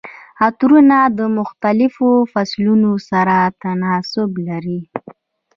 عطرونه د مختلفو فصلونو سره تناسب لري.